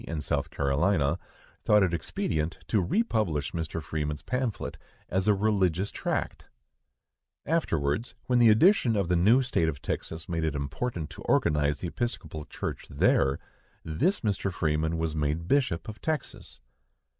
in South Carolina" thought it expedient to republish Mr. Freeman's pamphlet as a religious tract! Afterwards, when the addition of the new State of Texas made it important to organize the Episcopal Church there, this Mr. Freeman was made Bishop of Texas.